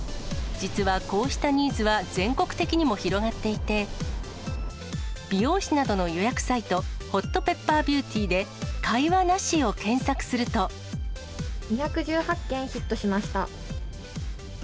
実はこうしたニーズは、全国的にも広がっていて、美容室などの予約サイト、ホットペッパービューティーで会話なし２１８件ヒットしました。